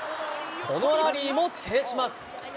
このラリーも制します。